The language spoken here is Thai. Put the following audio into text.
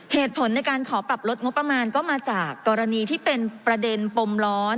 เหตุผลในการขอปรับลดงบประมาณก็มาจากกรณีที่เป็นประเด็นปมร้อน